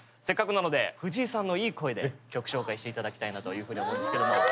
せっかくなので藤井さんのいい声で曲紹介して頂きたいなというふうに思いますけども。